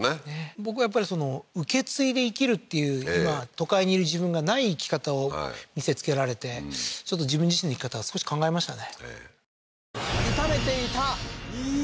僕やっぱり受け継いで生きるっていう今都会にいる自分がない生き方を見せつけられてちょっと自分自身の生き方を少し考えましたね